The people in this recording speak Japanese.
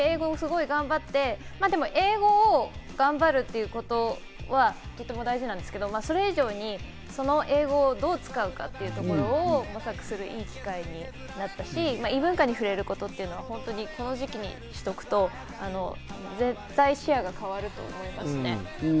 英語を頑張るということはとても大事なんですけど、それ以上にその英語をどう使うかということを模索するいい機会になったし、異文化に触れることってこの時期にしておくと絶対視野が変わると思います。